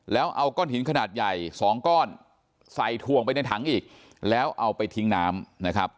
แล้วเอาก้อนหินขนาดใหญ่๒ก้อนใส่ถ่วงไปในถังอีกแล้วเอาไปทิ้งน้ำนะครับ